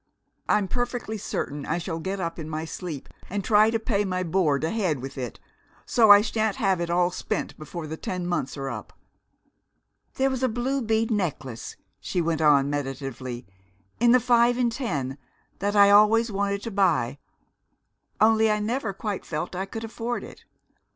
I'm perfectly certain I shall get up in my sleep and try to pay my board ahead with it, so I shan't have it all spent before the ten months are up! There was a blue bead necklace," she went on meditatively, "in the Five and Ten, that I always wanted to buy. Only I never quite felt I could afford it.